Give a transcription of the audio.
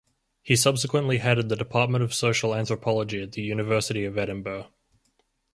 He subsequently headed the Department of Social Anthropology at the University of Edinburgh.